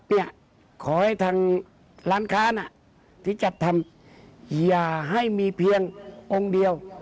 เนี่ยขอให้ทางร้านค้าน่ะที่จัดทำอย่าให้มีเพียงองค์เดียว